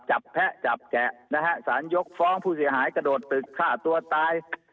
จับแพะจับแกชัดยกฟ้องผู้เสียหายกระโดดไปฆ่าตัวตาย